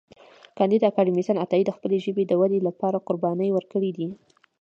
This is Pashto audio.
کانديد اکاډميسن عطایي د خپلې ژبې د ودې لپاره قربانۍ ورکړې دي.